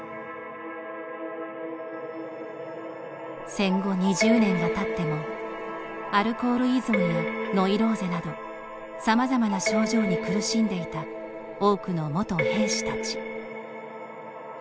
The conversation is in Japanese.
戦後２０年がたってもアルコール依存やノイローゼなどさまざまな症状に苦しんでいた多くの元兵士たち。